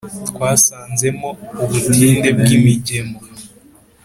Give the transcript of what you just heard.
twasanzemo ubutinde bwi migemo: